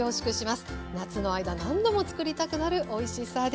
夏の間何度も作りたくなるおいしさです。